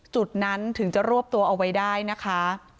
จุดนั้นถึงจะรวบตัวเอาไว้ได้นะคะ